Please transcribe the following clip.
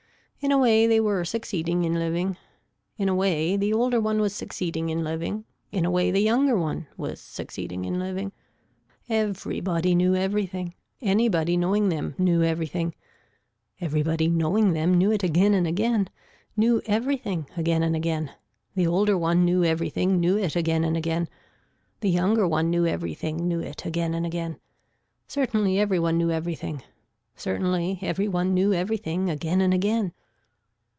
In a way they were succeeding in living. In a way the older one was succeeding in living, in a way the younger one was succeeding in living. Everybody knew everything, anybody knowing them knew everything, everybody knowing them knew it again and again, knew everything again and again, the older one knew everything knew it again and again. The younger one knew everything knew it again and again. Certainly every one knew everything. Certainly every one knew everything again and again.